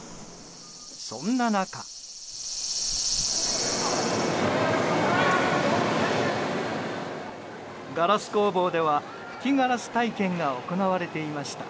そんな中ガラス工房では吹きガラス体験が行われていました。